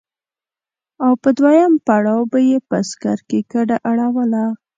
او په دوهم پړاو به يې په سکر کې کډه اړوله.